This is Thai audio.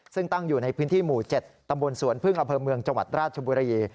ซึ่งตั้งอยู่ในพื้นที่หมู่๗ตำบลสวนพึ่งอำเภอเมืองจังหวัดราชบุรี